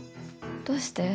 どうして？